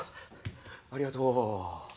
ありがとう。